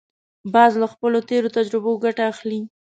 باز له خپلو تېرو تجربو ګټه اخلي